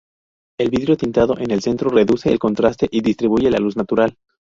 El vidrio tintado en el centro reduce el contraste y distribuye la luz natural.